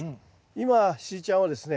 今しーちゃんはですね